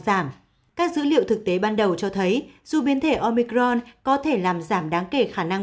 giảm các dữ liệu thực tế ban đầu cho thấy dù biến thể omicron có thể làm giảm đáng kể khả năng